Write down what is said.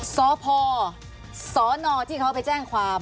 สพสนที่เขาไปแจ้งความ